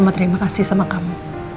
terima kasih sama kamu